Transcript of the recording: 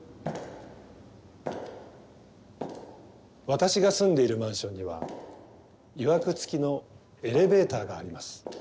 私が住んでいるマンションにはいわくつきのエレベーターがあります。